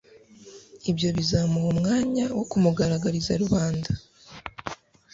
Ibyo bizamuha umwanya wo kumugaragariza rubanda.